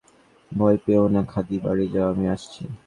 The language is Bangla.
ভয় পেয়ও না খাদি, বাড়ি যাও, আমি আসছি।